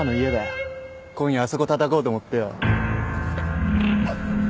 今夜あそこたたこうと思ってよ。